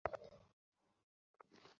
একটা বিরাট বিদায়কালীন পার্টি।